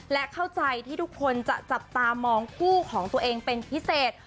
และเข้าใจที่ทุกคนจะจับตามองคู่ของตัวเองเป็นพิเศษ